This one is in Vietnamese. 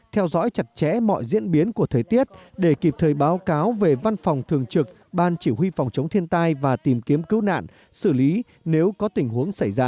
theo dõi chặt chẽ mọi diễn biến của thời tiết để kịp thời báo cáo về văn phòng thường trực ban chỉ huy phòng chống thiên tai và tìm kiếm cứu nạn xử lý nếu có tình huống xảy ra